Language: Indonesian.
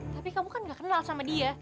tapi kamu kan gak kenal sama dia